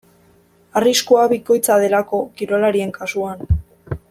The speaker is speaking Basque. Arriskua bikoitza delako kirolarien kasuan.